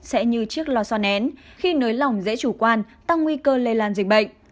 sẽ như chiếc lò xo nén khi nới lỏng dễ chủ quan tăng nguy cơ lây lan dịch bệnh